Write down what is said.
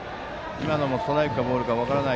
今のもストライクかボールか分からない